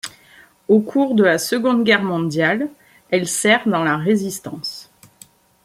Au cours de la Seconde Guerre mondiale elle sert dans la Résistance.